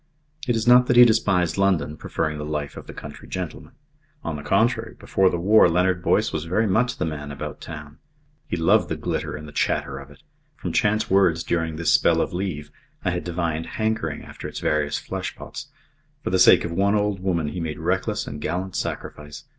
It is not that he despised London, preferring the life of the country gentleman. On the contrary, before the war Leonard Boyce was very much the man about town. He loved the glitter and the chatter of it. From chance words during this spell of leave, I had divined hankering after its various fleshpots. For the sake of one old woman he made reckless and gallant sacrifice.